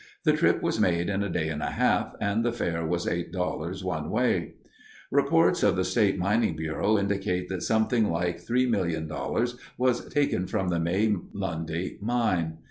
The trip was made in a day and a half, and the fare was $8.00 one way. Reports of the State Mining Bureau indicate that something like $3,000,000 was taken from the May Lundy Mine.